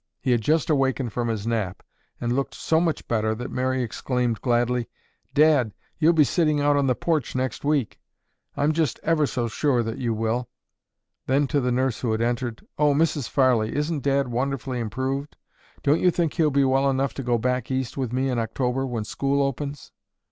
He had just awakened from his nap and looked so much better that Mary exclaimed gladly, "Dad, you'll be sitting out on the porch next week. I'm just ever so sure that you will." Then, to the nurse who had entered, "Oh, Mrs. Farley, isn't Dad wonderfully improved? Don't you think he'll be well enough to go back East with me in October when school opens?"